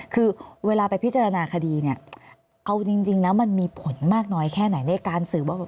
คือเวลาไปพิจารณาคดีเนี่ยเอาจริงแล้วมันมีผลมากน้อยแค่ไหนในการสืบว่า